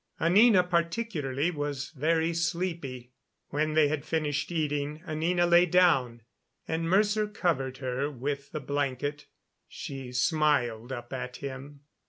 Anina particularly was very sleepy. When they had finished eating Anina lay down, and Mercer covered her with the blanket. She smiled up at him.